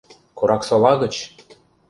Кораксола гыч!